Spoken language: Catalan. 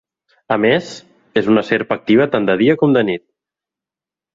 A més, és una serp activa tant de dia com de nit.